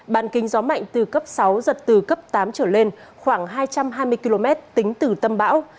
bàn kính gió mạnh từ cấp sáu giật từ cấp tám trở lên khoảng hai trăm hai mươi km tính từ tâm bão